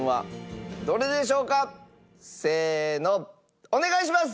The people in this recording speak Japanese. せーのお願いします！